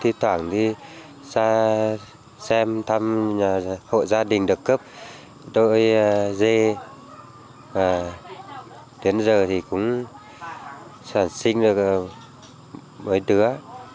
thì thoảng đi xa xem thăm hộ gia đình được cấp đôi dê và đến giờ thì cũng sản sinh được mấy đứa